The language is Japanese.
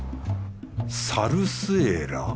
サルスエラ？